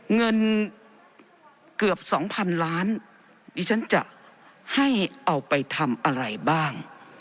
เงินเกือบ๒๐๐๐ล้านดิฉันจะให้เอาไปทำอะไรบ้าง